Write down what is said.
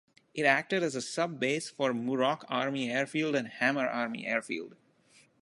It acted as a sub-base for Muroc Army Airfield and Hammer Army Airfield.